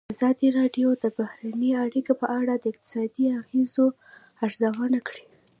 ازادي راډیو د بهرنۍ اړیکې په اړه د اقتصادي اغېزو ارزونه کړې.